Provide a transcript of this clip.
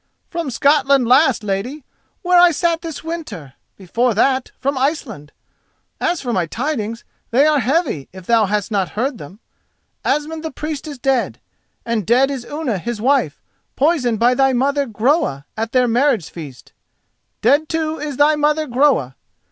"From Scotland last, lady, where I sat this winter; before that, from Iceland. As for my tidings, they are heavy, if thou hast not heard them. Asmund the Priest is dead, and dead is Unna his wife, poisoned by thy mother, Groa, at their marriage feast. Dead, too, is thy mother, Groa.